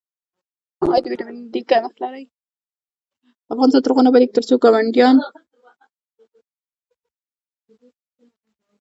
افغانستان تر هغو نه ابادیږي، ترڅو ګاونډیتوب په ایمان کې حساب نشي.